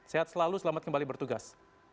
sehat selalu selamat kembali bertugas